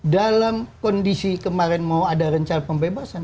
dalam kondisi kemarin mau ada rencana pembebasan